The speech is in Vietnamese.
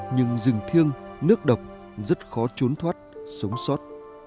nhưng rừng thiêng nước độc rất khó trốn thoát sống sót